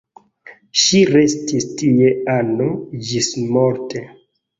Ŝi restis tie ano ĝismorte.